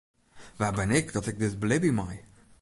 Wa bin ik dat ik dit belibje mei?